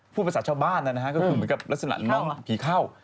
พูดภาษาชาวบ้านนะฮะก็คือเหมือนกับลักษณะน้องผีเข้า